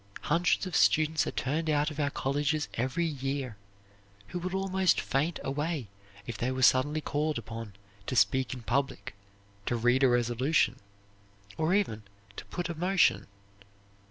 Hundreds of students are turned out of our colleges every year who would almost faint away if they were suddenly called upon to speak in public, to read a resolution, or even to put a motion.